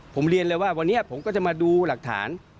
ผมเรียนเลยว่าวันนี้ผมก็จะมาดูหลักฐาน